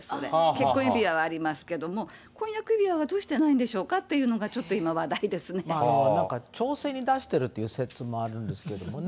結婚指輪はありますけど、婚約指輪がどうしてないんでしょうかということが、ちょっと今、なんか調整に出してるっていう説もあるんですけどね。